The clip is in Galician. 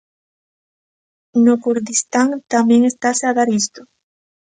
No Curdistán tamén estase a dar isto.